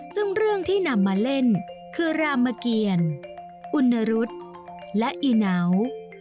ซึ่งเรื่องที่นำมาเล่นคือรามเกียรอุณรุษและอีเหนา